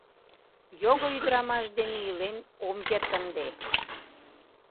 Його ӱдырамаш дене илен ом керт ынде.